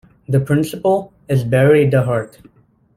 The principal is Barry DeHart.